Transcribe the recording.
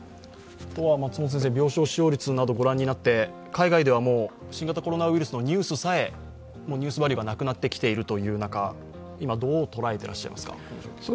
病床使用率などご覧になって海外ではもう新型コロナウイルスのニュースさえ、ニュースバリューがなくなってきている中、今、どう捉えていらっしゃいますか？